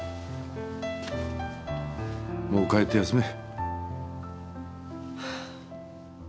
もう帰って休め。